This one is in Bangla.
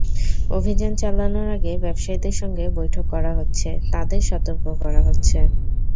অভিযান চালানোর আগে ব্যবসায়ীদের সঙ্গে বৈঠক করা হচ্ছে, তাঁদের সতর্ক করা হচ্ছে।